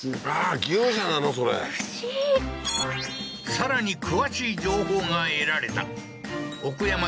さらに詳しい情報が得られたオクヤマ